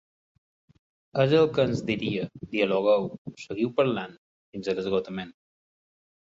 És el que ens diria, dialogueu, seguiu parlant, fins a l’esgotament.